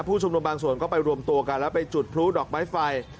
ชุมนุมบางส่วนก็ไปรวมตัวกันแล้วไปจุดพลุดอกไม้ไฟ